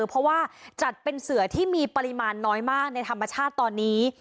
เพราะว่าจัดเป็นเสือที่มีปริมาณน้อยมากในธรรมชาติตอนนี้